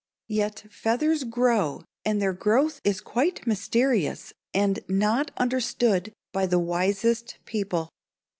Yet feathers grow and their growth is quite mysterious and not understood by the wisest people.